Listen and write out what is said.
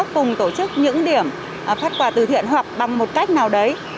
cùng tổ chức những điểm phát quà từ thiện hoặc bằng một cách nào đấy